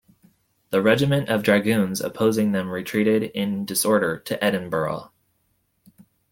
The regiment of dragoons opposing them retreated in disorder to Edinburgh.